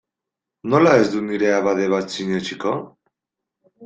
Nola ez dut nire abade bat sinetsiko?